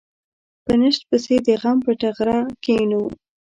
په نشت پسې د غم په ټغره کېنو.